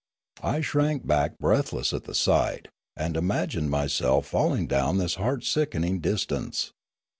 I shrank back breathless at the sight, and imagined myself falling down this heart sickening dis tance.